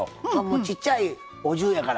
ちっちゃいお重やから。